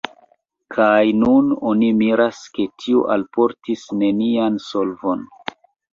Kaj nun oni miras, ke tio alportis nenian solvon.